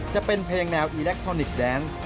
จะเป็นเพลงแนวอิเล็กทรอนิกส์แดนซ์